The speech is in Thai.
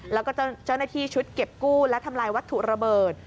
แล้วก็เจ้าหน้าที่ชุดเก็บกู้และทำลายวัตถุระเบิด